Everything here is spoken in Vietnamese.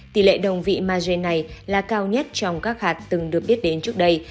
tỷ lệ đồng vị magen này là cao nhất trong các hạt từng được biết đến trước đây